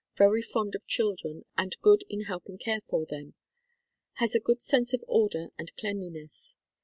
. Very fond of children and good in helping care for them. Has a good sense of order and cleanliness.